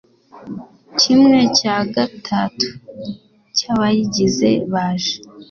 kimwe cya gatatu cy’abayigize baje